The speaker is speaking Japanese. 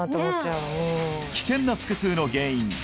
危険な腹痛の原因